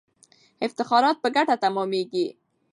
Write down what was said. افتخارات په ګټه تمامیږي.